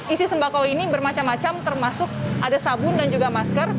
isi sembako ini bermacam macam termasuk ada sabun dan juga masker